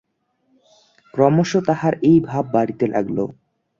ক্রমশ তাঁহার এই ভাব বাড়িতে লাগিল।